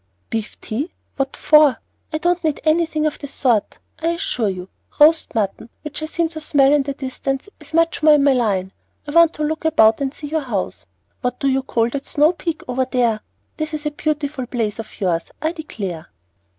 "Beef tea! What for? I don't need anything of the sort, I assure you. Roast mutton, which I seem to smell in the distance, is much more in my line. I want to look about and see your house. What do you call that snow peak over there? This is a beautiful place of yours, I declare."